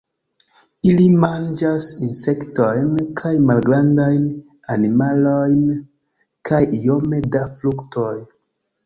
Ili manĝas insektojn kaj malgrandajn animalojn kaj iome da fruktoj.